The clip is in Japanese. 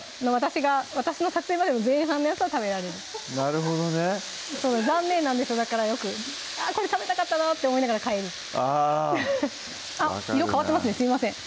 私の撮影までの前半のやつは食べられるなるほどね残念なんですよだからよくあっこれ食べたかったなって思いながら帰るあっ色変わってますねすいません